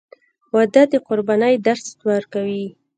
• واده د قربانۍ درس ورکوي.